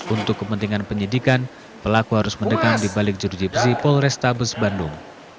untuk kepentingan penyidikan pelaku harus mendekat dibalik jurusi pz polrestabes bandung